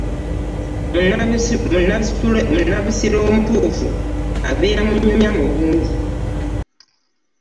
Munnabusiro omutuufu abeera munyumya mulungi.